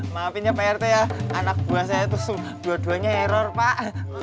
maafin ya pak rt ya anak buah saya tuh dua duanya error pak